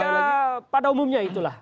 ya pada umumnya itulah